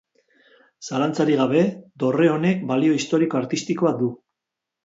Zalantzarik gabe, dorre honek balio historiko-artistikoa du.